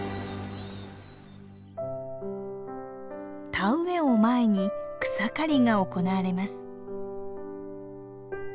田植えを前に草刈りが行われます。